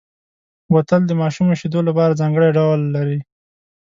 بوتل د ماشومو شیدو لپاره ځانګړی ډول لري.